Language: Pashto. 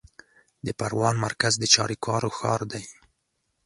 د پروان مرکز د چاریکارو ښار دی